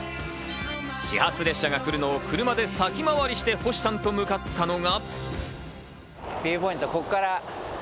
始発列車が来るのを車で先回りして星さんと向かったのが。